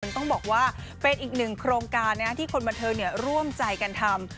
ต้องบอกว่าเป็นอีกหนึ่งโครงการที่คนบันเทิงร่วมใจกันทำ